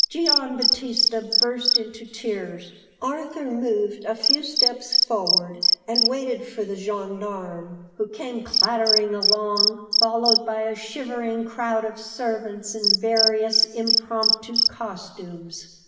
Gian Battista burst into tears. Arthur moved a few steps forward and waited for the gendarmes, who came clattering along, followed by a shivering crowd of servants in various impromptu costumes.